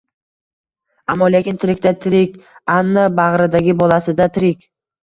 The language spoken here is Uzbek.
— Ammo-lekin... tirik-da, tirik! Ana, bag‘ridagi bolasi-da tirik!